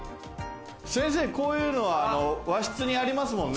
こういうのは和室にありますもんね。